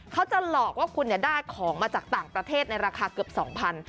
เขาจะหลอกว่าคุณได้ของมาจากต่างประเทศในราคาเกือบ๒๐๐บาท